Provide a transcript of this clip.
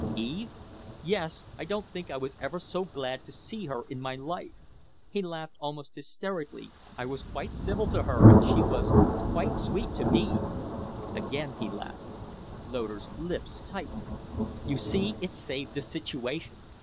"Eve?" "Yes. I don't think I was ever so glad to see her in my life." He laughed almost hysterically. "I was quite civil to her, and she was quite sweet to me " Again he laughed. Loder's lips tightened. "You see, it saved the situation.